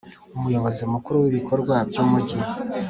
Umuyobozi mukuru w ibikorwa by umujyi